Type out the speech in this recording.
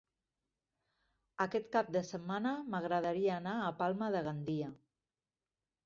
Aquest cap de setmana m'agradaria anar a Palma de Gandia.